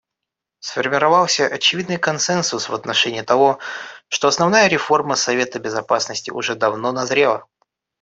Сформировался очевидный консенсус в отношении того, что основная реформа Совета Безопасности уже давно назрела.